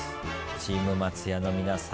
チーム松也の皆さん。